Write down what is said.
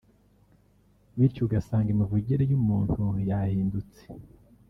bityo ugasanga imivugire y’umuntu yahindutse